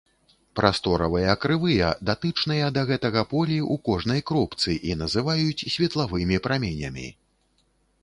Прасторавыя крывыя, датычныя да гэтага полі ў кожнай кропцы, і называюць светлавымі праменямі.